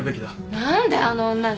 何であの女に？